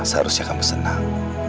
seharusnya kamu senang